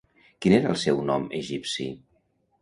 Quin era el seu nom egipci?